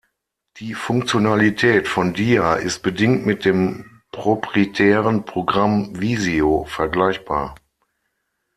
Die Funktionalität von Dia ist bedingt mit dem proprietären Programm Visio vergleichbar.